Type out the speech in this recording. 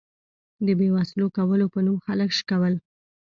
د بې وسلو کولو په نوم خلک شکول.